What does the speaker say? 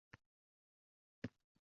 ko’rning ko’zini.